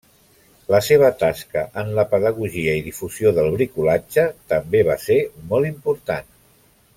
La seva tasca en la pedagogia i difusió del bricolatge també va ser molt important.